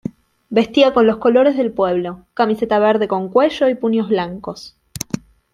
Vestía con los colores del pueblo: camiseta verde con cuello y puños blancos.